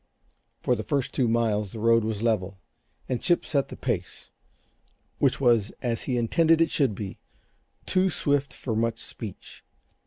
For the first two miles the road was level, and Chip set the pace which was, as he intended it should be, too swift for much speech.